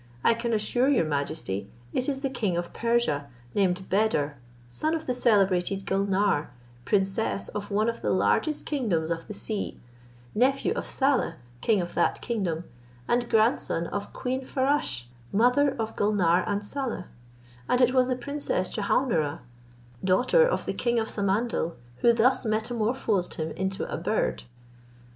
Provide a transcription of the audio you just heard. I can assure your majesty, it is the king of Persia, named Beder, son of the celebrated Gulnare, princess of one of the largest kingdoms of the sea, nephew of Saleh, king of that kingdom, and grandson of Queen Farasche, mother of Gulnare and Saleh; and it was the Princess Jehaun ara, daughter of the king of Samandal, who thus metamorphosed him into a bird."